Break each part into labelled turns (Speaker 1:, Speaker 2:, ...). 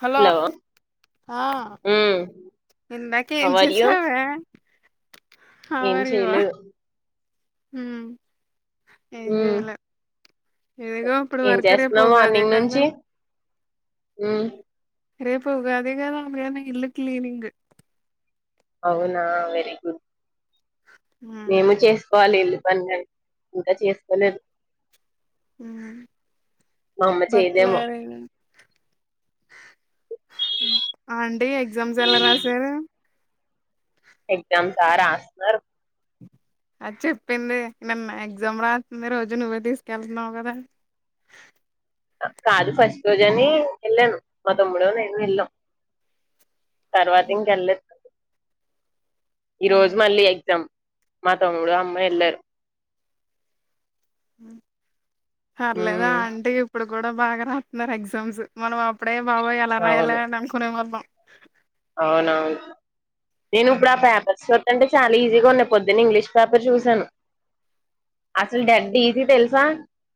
Speaker 1: hello ఆ
Speaker 2: మ్మ్ how are you
Speaker 1: ఇందాకంంచసవే
Speaker 2: ఏం చెయలే
Speaker 1: హ ఏం చేయాల ఎదిగో ఇప్పుడు
Speaker 2: ఏం
Speaker 1: వరకు రేపుగాదే కదా
Speaker 2: ఆ
Speaker 1: రరే పోగా అదే కాద అందుద ఇల్ కలీనింగ
Speaker 2: అవునా వెరీ గుడ్
Speaker 1: హ్మ్
Speaker 2: మేము చేసుకోవాలి వన్ అయ్ ఊకే చేసుకోలేరు
Speaker 1: ఊ
Speaker 2: అమ్మ చేయదేమో
Speaker 1: బర్ట్లార ఆ అండి ఎగ్జామ్స్ ఎలా రాశారు
Speaker 2: ఎగ్జామ్స్ ఆ రాసినారు
Speaker 1: అది చెప్పింది మేం మా ఎగ్జామ్ రాస్తుంది రోజు నువ్వే తీసుకెళ్తున్నావు కదా
Speaker 2: కాదు ఫస్ట్ రోజు అని వెళ్ళాను మా తమ్ముడ నేను వెళ్ళాం తర్వాత ఇంకెళ్ళేదు ఈ రోజు మళ్ళీ ఎగ్జామ్ మాతాముడు అమ్మ ఎలారు
Speaker 1: ఊ సర్లేదా
Speaker 2: మ్మ్
Speaker 1: ఆంటీ ఇప్పుడు కూడా బాగా రాతున్నారు ఎగ్జామ్స్ మనం అప్పుడు అయ బాబోయ్ ఎలా రాయలే
Speaker 2: అవును
Speaker 1: ఆని అనుకునే వాళ్ళం
Speaker 2: అవునవును నేను ఇప్పుడు ఆ పేపర్స్ చట్ట అంటే చాలా ఈజీగా ఉన్నాయి పొద్దున్న ఇంగ్లీష్ పేపర్ చూసాను అసలు డడ్ ఈజీ తెలుసా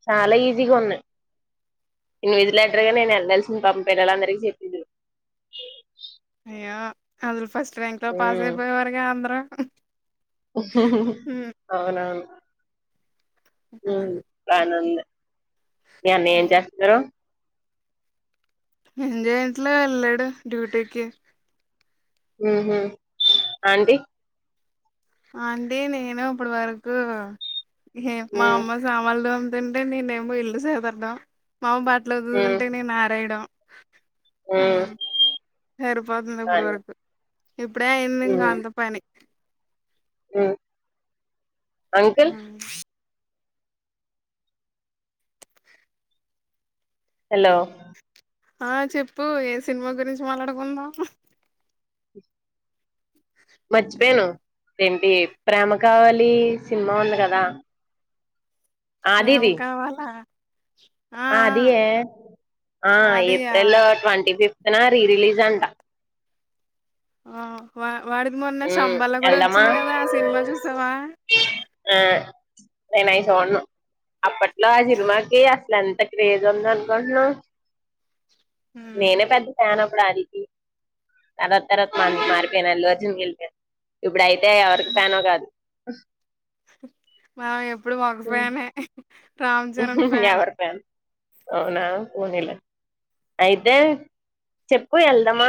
Speaker 2: చాలా ఈజీగా ఉన్నాయి ఇన్విలేటరుగా నేను వెళ్ళల్సింది పాపం పిల్లలందరిక చెప్పిదురు
Speaker 1: యా అందరు ఫస్ట్ ట్రెంక్ లో పాస్ అయిపోయేవారుగా అందరు
Speaker 2: ఊహుహ్మ్ అవునవును ఉమ్ బనే వుంది మీ అన్నయ్య ఏం చేస్తరు
Speaker 1: ఎంజాయట్ల ఎళ్ళాడు డ్యూటీకి
Speaker 2: ఊహ్మ్ ఆంటీ
Speaker 1: ఆంటీ నేను ఇపుడు వర్కు అహ్ మా
Speaker 2: ఉమ్
Speaker 1: అమ్మ సామాన్లు తో తుంటే నేనేమో ఇల్లు సదరడం మాఅమ్మ బటలుదుదుంటే నేను ఆరేయడం అ
Speaker 2: ఆ
Speaker 1: సరిపోతుంది ఇప్పుడు వరకు ఇప్పుడే అయింది ఇంకా అంత పని
Speaker 2: ఊ
Speaker 1: ఆవును
Speaker 2: హలో
Speaker 1: ఆ చెప్పు ఏ సినిమా గురించి మాట్లాడుకుందాం
Speaker 2: దేంటి ప్రేమకావలి సినిమా ఉంది కదా
Speaker 1: ప్రేమ కావాలా ఆ
Speaker 2: ఆది ఏ ఆ ఏప్రిల్ ట్వంటీ ఫైవ్ జనవరి రిలీజ్ అంట
Speaker 1: ఆ వా వాడిది మొన్న
Speaker 2: ఉమ్
Speaker 1: సంబల గూడా
Speaker 2: వెళ్దామా
Speaker 1: వచ్చింది గదా ఆ సినిమా చూసావా
Speaker 2: ఆ నేను ఐ సున్నా అప్పట్లో ఆ సినిమాకి ఎంత ఎంత క్రేజ్ ఉంది అనుకుంటున్నవ్ నేనే పెద్ద ఫ్యానప్పుడు అదికి తర్వాత తర్వాత మారిపోయిన అల్లుఅర్జున్ కి ఏలిపోయా ఇప్పు ఐ దే ఎవరికి ఫ్యాన్ గాదు [unintelligible]
Speaker 1: మనం ఎప్పుడు ఒక ఫ్యాన్ నే రామ్ చరణ్
Speaker 2: ఎవరి ఫ్యాను అవునా పోనీలే అయితే చెప్పు ఎళ్దమా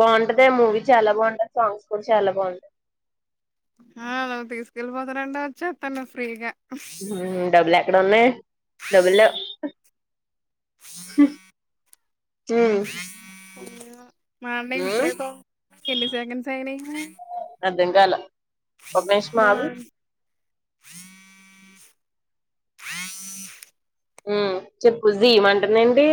Speaker 2: బాగుంటది ఆ మూవీ చాలా బాగుంటది సాంగ్స్ కూడా చాలా బాగుంటాయి
Speaker 1: ఆ వా తీసుకెళ్ళిపోతనంటే వచ్చే తను ఫ్రీగా
Speaker 2: ఉ డబ్బులు ఎక్కడ ఉన్నాయి డబ్బులు లేవు హు జైయ్
Speaker 1: మాన్న ఇప్పుడే ఎన్ని సెకండ్స్ అయినా
Speaker 2: అర్ధం కాల ఒక నిమిషం
Speaker 1: మా
Speaker 2: ఆగు ఉ చెప్పు జూయిఅనుటుంది ఏంటి